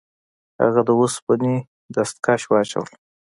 هغه د اوسپنې دستکش واچول.